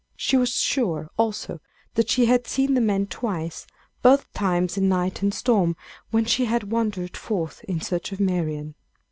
She was sure, also, that she had seen the man twice, both times in night and storm, when she had wandered forth in search of Marian.